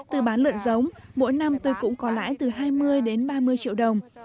tôi bán lợn giống mỗi năm tôi cũng có lãi từ hai mươi đến ba mươi triệu đồng